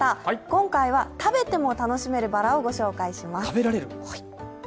今回は食べても楽しめるバラを御紹介します。